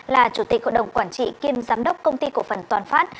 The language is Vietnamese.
là chủ tịch hội đồng quản trị kiêm giám đốc công ty cổ phần toàn phát